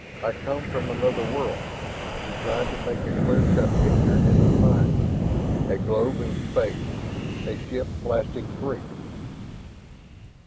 "I come from another world...." He tried to make a clean cut picture in his mind a globe in space, a ship blasting free....